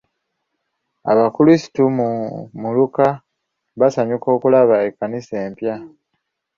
Abakrisitu mu muluka baasanyuka okulaba ekkanisa empya.